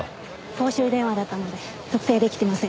公衆電話だったので特定できてません。